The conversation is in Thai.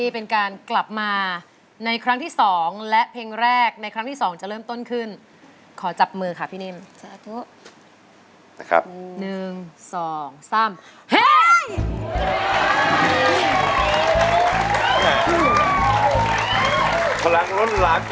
พลังล้นหลากจริงเลยนะครับ